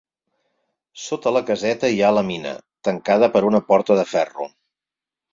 Sota la caseta hi ha la mina, tancada per una porta de ferro.